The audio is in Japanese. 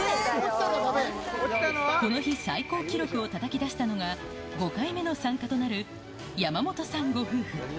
この日、最高記録をたたき出したのが、５回目の参加となる山本さんご夫婦。